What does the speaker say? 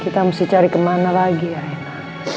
kita mesti cari kemana lagi ya enak